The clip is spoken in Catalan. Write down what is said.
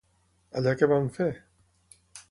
Allà què van fer?